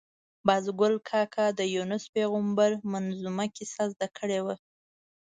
باز ګل کاکا د یونس پېغمبر منظمومه کیسه زده کړې وه.